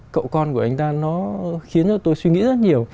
cậu con của anh ta nó khiến cho tôi suy nghĩ rất nhiều